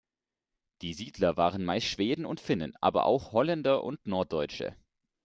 Die Siedler waren meist Schweden und Finnen, aber auch Holländer und Norddeutsche.